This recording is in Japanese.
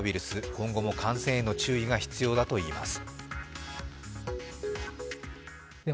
今後も感染への注意が必要だといいます。